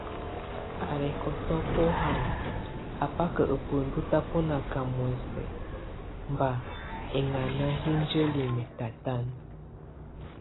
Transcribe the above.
Alɛkɔtɔbɔhanyɛ a baka a buəndu tabɔnaka muɛsɛ mba ɛnŋana yənjəli mɛtatanɛ.